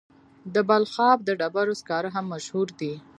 د بلخاب د ډبرو سکاره هم مشهور دي.